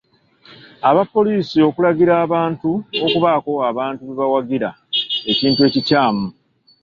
Abapoliisi okulagira abatuuze okubaako abantu be bawagira, ekintu ekikyamu.